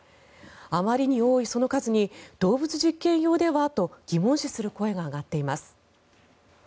あまりに多いその数に動物実験用ではと疑問視する声が上がっています。